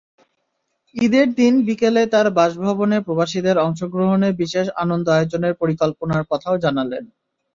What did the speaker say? ঈদের দিন বিকেলে তার বাসভবনে প্রবাসীদের অংশগ্রহণে বিশেষ আনন্দ-আয়োজনের পরিকল্পনার কথাও জানালেন।